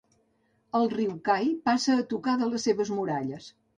El riu Cai passa a tocar de les seves muralles.